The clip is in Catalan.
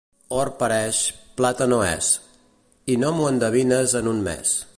Or pareix, plata no és. I no m'ho endevines en un mes.